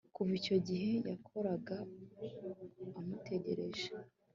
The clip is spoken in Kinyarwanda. Kuva icyo gihe yahoraga amutegereje